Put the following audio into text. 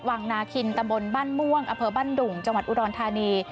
วังนาคินตำบลบ้านม่วงอำเภอบ้านดุงจังหวัดอุดรธานี